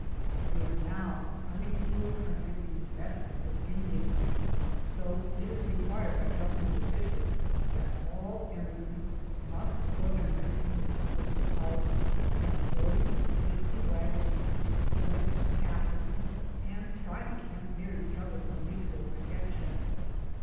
We are now coming into a country in fested with Indians, so it is required by Gov ernment officials that all emigrants must or ganize into companies of from forty to sixty wagons, elect captains and try to camp near each other for mutual protection.